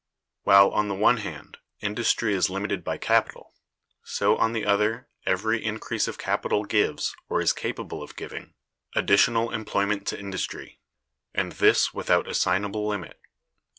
While, on the one hand, industry is limited by capital, so, on the other, every increase of capital gives, or is capable of giving, additional employment to industry; and this without assignable limit.